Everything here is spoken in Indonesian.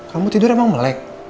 kamu tidur emang melek